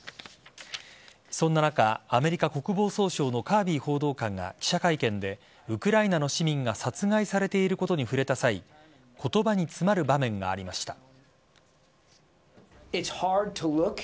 そんな中、アメリカ国防総省のカービー報道官が記者会見でウクライナの市民が殺害されていることに触れた際言葉に詰まる場面がありました。